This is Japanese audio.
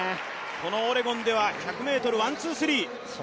このオレゴンでは２００ｍ、ワン・ツー・スリー。